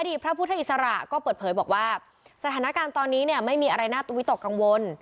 พระพุทธอิสระก็เปิดเผยบอกว่าสถานการณ์ตอนนี้เนี่ยไม่มีอะไรน่าวิตกกังวล